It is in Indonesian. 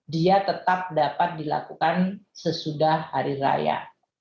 dia tetap dapat dilakukan sesudah hari raya